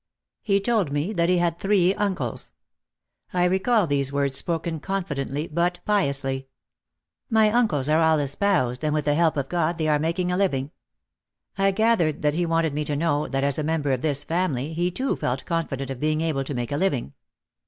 He told me that he had three uncles. I recall these words spoken confidently but piously. "My uncles are all espoused and with the help of God they are making a living." I gathered that he wanted me to know, that as a member of this family he too felt confident of being able to make a living.